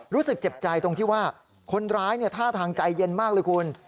รู้สึกเจ็บใจตรงที่ว่าคนร้ายท่าทางใจเย็นมากเลยคุณ